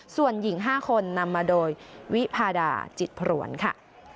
ส่วนหญิง๕คนนำมาโดยวิพาดาจิตพรวนค่ะ